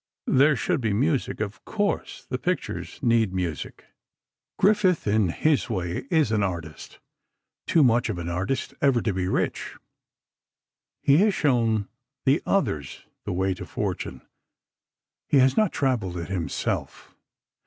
There should be music, of course. The pictures need music. "Griffith, in his way, is an artist—too much of an artist ever to be rich. He has shown the others the way to fortune—he has not travelled it himself.